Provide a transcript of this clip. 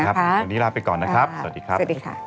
วันนี้ลาไปก่อนนะครับสวัสดีครับ